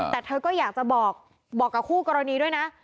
แต่เธอก็อยากจะบอกกับคู่กรณีด้วยนะ